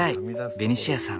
ベニシアさん